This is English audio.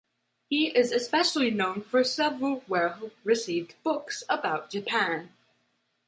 He is especially known for several well-received books about Japan.